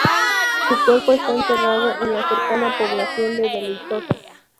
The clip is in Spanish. Su cuerpo está enterrado en la cercana población de Deleitosa.